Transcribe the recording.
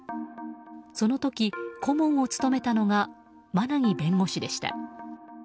その時、顧問を務めたのが馬奈木弁護士でした。